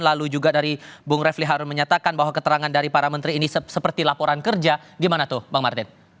lalu juga dari bung refli harun menyatakan bahwa keterangan dari para menteri ini seperti laporan kerja gimana tuh bang martin